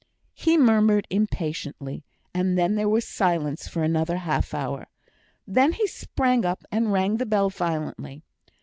He murmured impatiently, and there was silence for another half hour. Then he sprang up, and rung the bell violently.